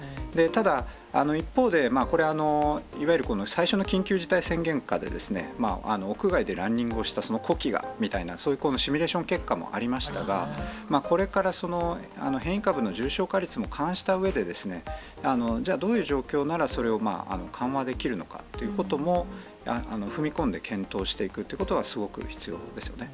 ただ、一方で、これ、いわゆる最初の緊急事態宣言下で、屋外でランニングをしたその呼気がみたいなそういうシミュレーション結果もありましたが、これからその変異株の重症化率も勘案したうえで、じゃあどういう状況ならそれを緩和できるのかということも、踏み込んで検討していくということは、すごく必要ですよね。